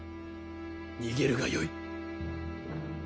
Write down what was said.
逃げるがよい。